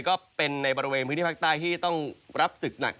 ก็เป็นในบริเวณพื้นที่ภาคใต้ที่ต้องรับศึกหนัก